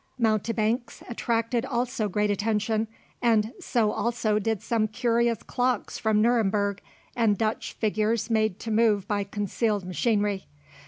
Mountebanks attracted also great attention, and so also did some curious clocks from Neuremberg, and Dutch figures made to move by concealed machinery.